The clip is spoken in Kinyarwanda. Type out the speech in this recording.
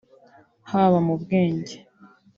haba mu bwenge